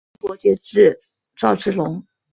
传伯爵至赵之龙。